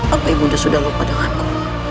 apa ibunda sudah lupa denganku